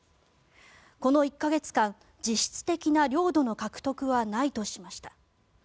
この１か月間、実質的な領土の獲得はないとしました。